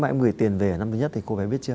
em gửi tiền về ở năm thứ nhất thì cô bé biết chưa